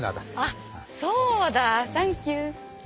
あそうだ！サンキュー。